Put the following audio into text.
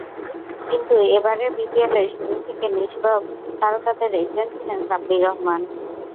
কিন্তু এবারের বিপিএলে শুরু থেকে নিষ্প্রভ তারকাদের একজন ছিলেন সাব্বির রহমান।